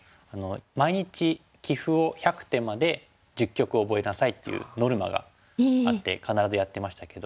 毎日棋譜を１００手まで１０局覚えなさいっていうノルマがあって必ずやってましたけど。